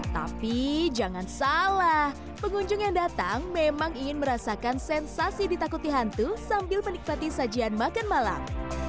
tapi jangan salah pengunjung yang datang memang ingin merasakan sensasi ditakuti hantu sambil menikmati sajian makan malam